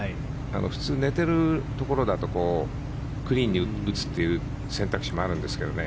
普通、寝ているところだとクリーンに打つという選択肢もあるんですけどね。